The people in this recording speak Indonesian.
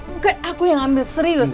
mungkin aku yang ambil serius